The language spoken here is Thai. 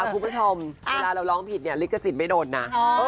คุณผู้ชมเวลาเราร้องผิดเนี่ยลิขสิทธิ์ไม่โดนนะ